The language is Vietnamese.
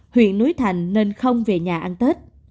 huyện núi thành nên không về nhà ăn tết